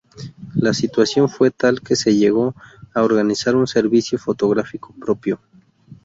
La situación fue tal que se llegó a organizar un servicio fotográfico propio.